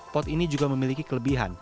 pot ini juga memiliki kelebihan